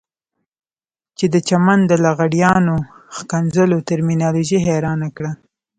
چې د چمن د لغړیانو ښکنځلو ترمینالوژي حيرانه کړه.